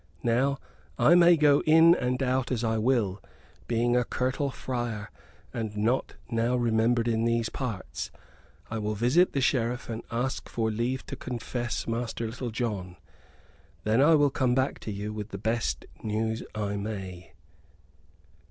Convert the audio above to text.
Now I may go in and out as I will, being a curtal friar and not now remembered in these parts. I will visit the Sheriff and ask for leave to confess Master Little John. Then I will come back to you with the best news I may."